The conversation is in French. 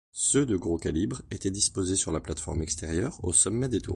Ceux de gros calibres étaient disposés sur la plate-forme extérieure, au sommet des tours.